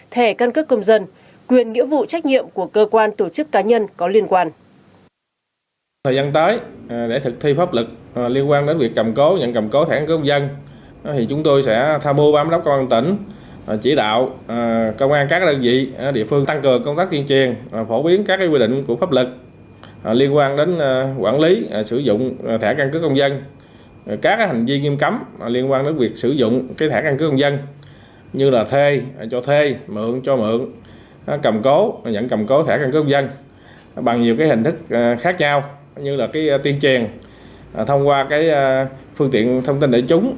thẻ căn cứ công dân quyền nghĩa vụ trách nhiệm của cơ quan tổ chức cá nhân có liên quan